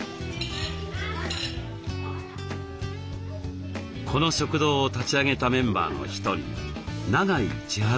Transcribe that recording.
この食堂を立ち上げたメンバーの一人永井千春さん。